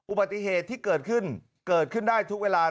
อุบัติเหตุที่เกิดขึ้นเกิดขึ้นได้ทุกเวลา